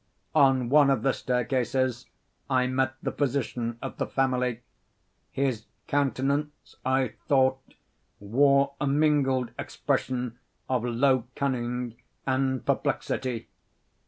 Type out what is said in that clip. On one of the staircases, I met the physician of the family. His countenance, I thought, wore a mingled expression of low cunning and perplexity.